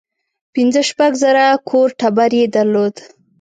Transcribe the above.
پنځه شپږ زره کور ټبر یې درلود.